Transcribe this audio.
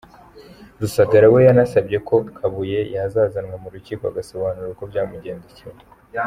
Rusagara we yanasabye ko Kabuye yazazanwa mu Rukiko agasobanura uko byamugendekeye.